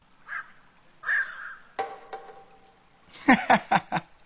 ハハハハ。